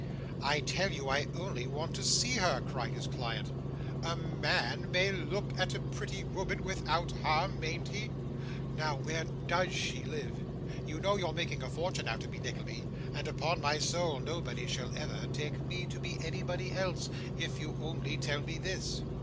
'I tell you I only want to see her,' cried his client. 'A ma an may look at a pretty woman without harm, mayn't he? Now, where DOES she live? You know you're making a fortune out of me, Nickleby, and upon my soul nobody shall ever take me to anybody else, if you only tell me this.